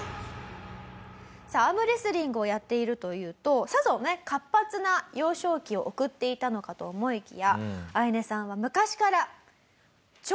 さあアームレスリングをやっているというとさぞね活発な幼少期を送っていたのかと思いきやアヤネさんは昔から。